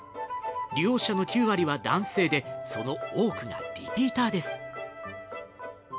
利用者の９割は男性で、その多くがリピーターです。